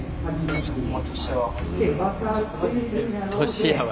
年やわ。